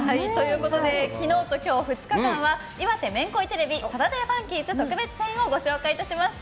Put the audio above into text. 昨日と今日２日間は岩手めんこいテレビ「サタデーファンキーズ」特別編をご紹介いたしました。